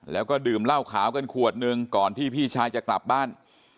แล้วก็ดื่มเหล้าขาวกันขวดหนึ่งก่อนที่พี่ชายจะกลับบ้าน